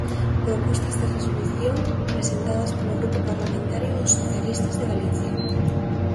Propostas de resolución presentadas polo Grupo Parlamentario dos Socialistas de Galicia.